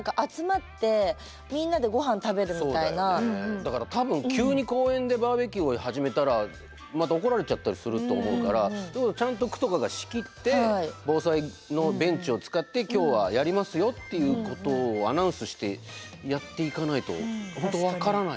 だから多分急に公園でバーベキューを始めたらまた怒られちゃったりすると思うからちゃんと区とかが仕切って「防災のベンチを使って今日はやりますよ」っていうことをアナウンスしてやっていかないと本当分からないですよね。